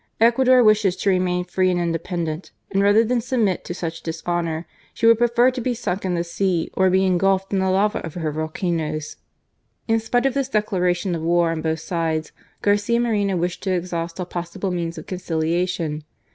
Ecuador wishes to remain free and independent, and rather than submit to such dishonour she would prefer to be sunk in the sea or be engulphed in the lava of her volcanoes." In spite of this declaration of war on both sides, Garcia Moreno wished to exhaust all possible means of conciliation.